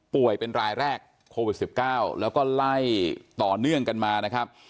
เป็นรายแรกโควิด๑๙แล้วก็ไล่ต่อเนื่องกันมานะครับ